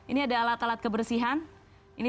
ini adalah alat alat kebersihan